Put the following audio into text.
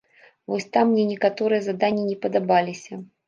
Вось там мне некаторыя заданні не падабаліся.